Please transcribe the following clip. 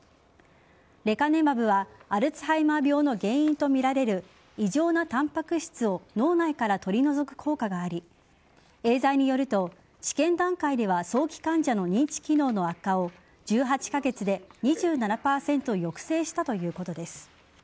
レカネマブはアルツハイマー病の原因とみられる異常なタンパク質を脳内から取り除く効果がありエーザイによると、治験段階では早期患者の認知機能の悪化を１８カ月で２７％抑制したということです。